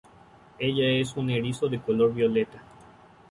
Ella es una erizo de color Violeta.